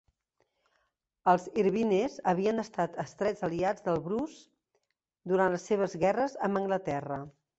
Els Irvines havien estat estrets aliats dels Bruce durant les seves guerres amb Anglaterra.